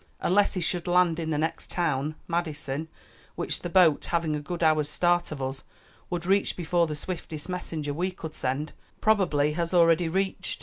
"Unless he should land in the next town, Madison, which the boat, having a good hour's start of us, would reach before the swiftest messenger we could send; probably has already reached."